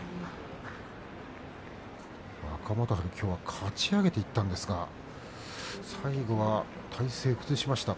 若元春、きょうはかち上げていったんですが最後は体勢、崩しました。